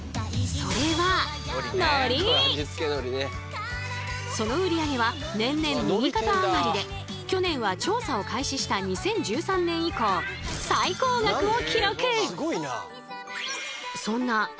それはその売り上げは年々右肩上がりで去年は調査を開始した２０１３年以降最高額を記録！